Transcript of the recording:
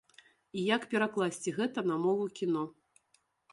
І як перакласці гэта на мову кіно?